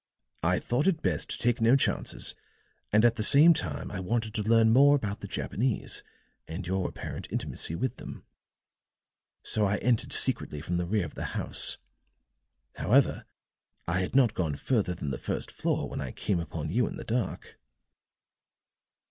I thought it best to take no chances and at the same time I wanted to learn more about the Japanese and your apparent intimacy with them. So I entered secretly from the rear of the house. However, I had not gone further than the first floor when I came upon you in the dark."